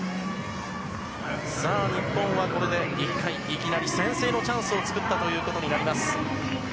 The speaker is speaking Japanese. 日本は１回でいきなり先制のチャンスを作ったということになります。